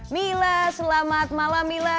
mila selamat malam mila